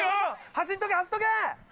走っとけ走っとけ！